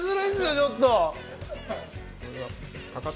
ちょっと。